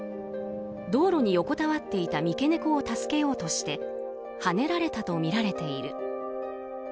道路に横たわっていた三毛猫を助けようとしてはねられたとみられている。